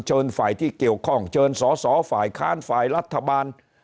ฝ่ายที่เกี่ยวข้องเชิญสอสอฝ่ายค้านฝ่ายรัฐบาล